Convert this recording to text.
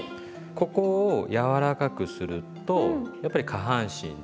ここをやわらかくするとやっぱり下半身とかね